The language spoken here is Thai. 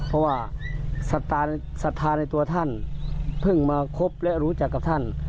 เพราะว่าศรัทธาในตัวท่านเพิ่งมาคบและรู้จักกับท่าน